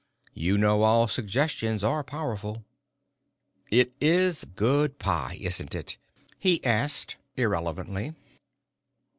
You know all suggestions are powerful." "It is good pie, isn't it?" he asked, irrelevantly.